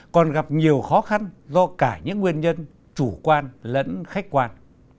còn gặp nhiều khó khăn do cả những nguyên nhân chủ quan lẫn